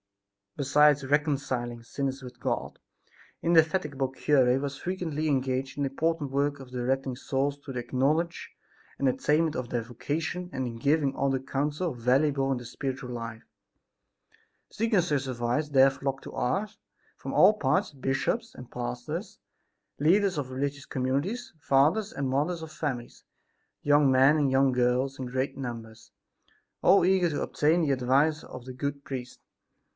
Besides reconciling sinners with God the indefatigable cure was frequently engaged in the important work of directing souls to the knowledge and attainment of their vocation and in giving other counsel valuable in their spiritual life. Seeking such advice there flocked to Ars, from all parts, bishops and pastors, leaders of religious communities, fathers and mothers of families, young men and young girls in great numbers, all eager to obtain the advice of the good priest.